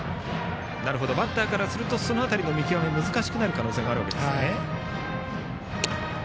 バッターからするとその辺りの見極めが難しくなる可能性があるんですね。